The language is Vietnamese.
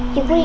chỉ huy tướng